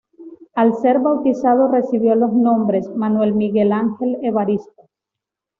Al ser bautizado recibió los nombres Manuel Miguel Ángel Evaristo.